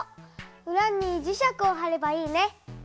うらにじ石をはればいいね。